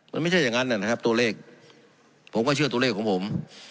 มันไม่ใช่อย่างนั้นนะครับตัวเลขผมก็เชื่อตัวเลขของผม